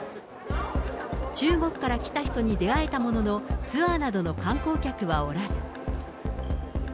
中国から来た人に出会えたものの、ツアーなどの観光客はおらず。